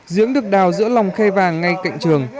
giếng được đào giữa lòng khe vàng ngay cạnh trường